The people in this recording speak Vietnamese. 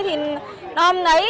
thì nó lấy